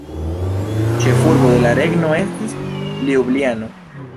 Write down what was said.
Ĉefurbo de la regno estis Ljubljano.